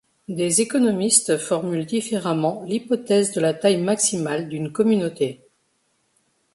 Des économistes formulent différemment l'hypothèse de la taille maximale d'une communauté.